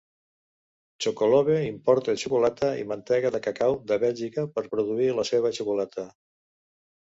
Chocolove importa xocolata i mantega de cacau de Bèlgica per produir la seva xocolata.